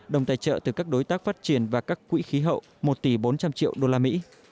đồng tài trợ từ các đối tác phát triển và các quỹ khí hậu một tỷ bốn trăm linh triệu usd